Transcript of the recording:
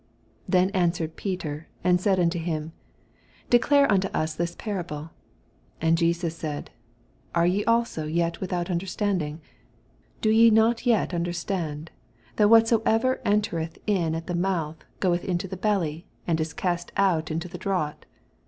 16 Then answered Peter and said unto him, Dedare nnto ns this para ble. 16 And Jesns said, Are ye also yet withont ondertttandingf 17 Do not ye yet understand, that whatsoever entereth in at the month ^oeth into the belly, and is cast out mtothe draught?